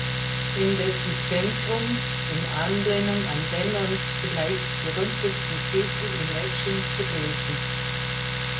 In dessen Zentrum ist in Anlehnung an Lennons vielleicht berühmtesten Titel "Imagine" zu lesen.